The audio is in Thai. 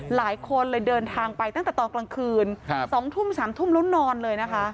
หลายคนเดินทางไปตั้งแต่ตอนกลางคืน๒๓ทุ่มแล้วนอนเลย